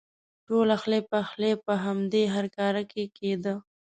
ټول اخلی پخلی په همدې هرکاره کې کېده.